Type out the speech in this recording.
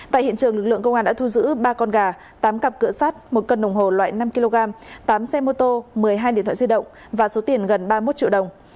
tại hiện trường lực lượng công an đã thu giữ ba con gà tám cặp cửa sắt một cân đồng hồ loại năm kg tám xe mô tô một mươi hai điện thoại di động và số tiền gần ba mươi một triệu đồng